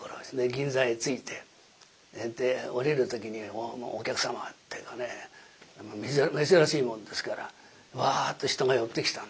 銀座へ着いて降りる時にお客様っていうかね珍しいもんですからワっと人が寄ってきた。